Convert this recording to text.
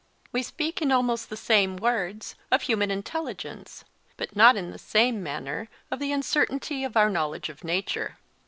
We speak in almost the same words of human intelligence, but not in the same manner of the uncertainty of our knowledge of nature.